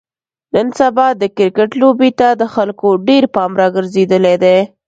نن سبا د کرکټ لوبې ته د خلکو ډېر پام راگرځېدلی دی.